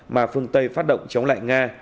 mà phương tây phát động chống lại nga